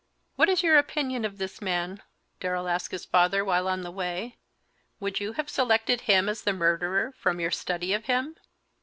"What is your opinion of this man?" Darrell asked his father, while on the way. "Would you have selected him as the murderer, from your study of him?"